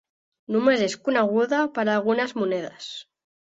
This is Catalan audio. Només és coneguda per algunes monedes.